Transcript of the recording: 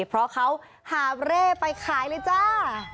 เพราะเขาหาบเร่ไปขายเลยจ้า